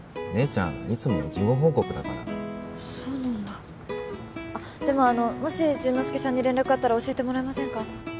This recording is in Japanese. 姉ちゃんいつも事後報告だからそうなんだでもあのもし潤之介さんに連絡あったら教えてもらえませんか？